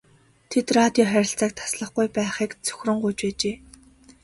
Тэд радио харилцааг таслахгүй байхыг цөхрөн гуйж байжээ.